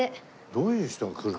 どういう人が来るの？